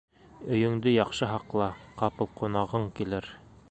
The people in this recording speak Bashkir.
Өйөңдө яҡшы һаҡла, ҡапыл ҡунағың килер